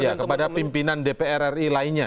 ya kepada pimpinan dpr ri lainnya